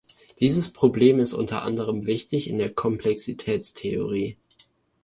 Dieses Problem ist unter anderem wichtig in der Komplexitätstheorie.